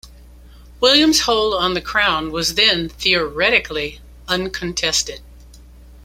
William's hold on the crown was then theoretically uncontested.